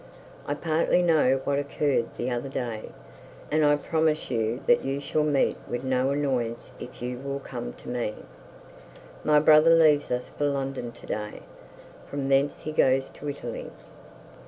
'I partly know what occurred the other day, and I promise you that you shall meet with no annoyance if you will come to me. My brother leaves us for London to day; from thence he goes to Italy.